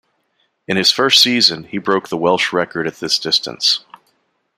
In his first season, he broke the Welsh record at this distance.